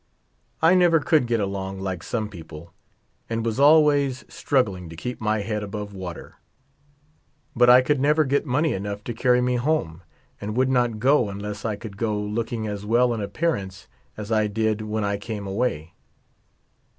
I never could get along like some people, and was always strug gling to keep my head above water ; but I could never get money enough to carry me home, and would not go unless 16 I could go looking as well in appearance as I did when I came away.